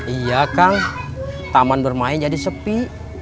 iya kang taman bermain jadi sepi